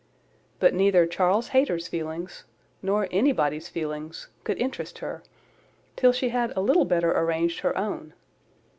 But neither Charles Hayter's feelings, nor anybody's feelings, could interest her, till she had a little better arranged her own.